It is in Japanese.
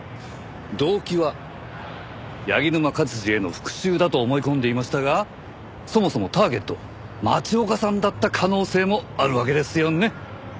動機は柳沼勝治への復讐だと思い込んでいましたがそもそもターゲットは町岡さんだった可能性もあるわけですよね？